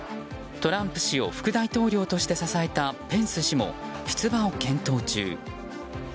トランプ氏を副大統領として支えたペンス氏も、出馬を検討中。